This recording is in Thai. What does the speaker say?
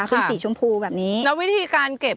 โอ้โหนี่คือสอยไว้แล้ว